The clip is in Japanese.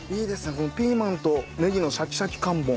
このピーマンとネギのシャキシャキ感も。